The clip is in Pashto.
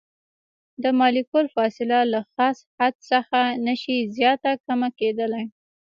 د مالیکول فاصله له خاص حد څخه نشي زیاته کمه کیدلی.